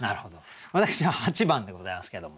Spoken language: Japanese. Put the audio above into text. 私は８番でございますけれども。